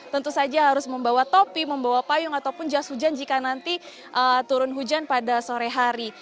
tentu saja harus membawa topi membawa payung ataupun jas hujan jika nanti turun hujan pada sore hari